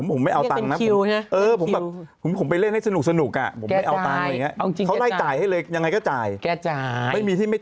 ปะตาบาปในชีวิต